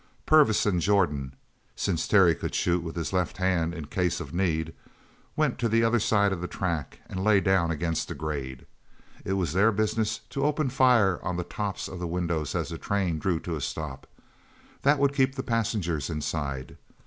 Purvis and Jordan (since Terry could shoot with his left hand in case of need) went to the other side of the track and lay down against the grade. It was their business to open fire on the tops of the windows as the train drew to a stop. That would keep the passengers inside.